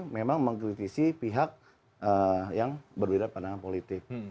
memang mengkritisi pihak yang berbeda pandangan politik